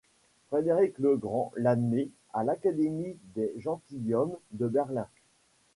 Frédéric le Grand l'admet à l'académie des gentilshommes de Berlin.